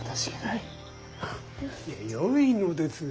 いやよいのです。